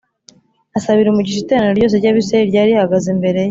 asabira umugisha iteraniro ryose ry’Abisirayeli ryari rihagaze imbere ye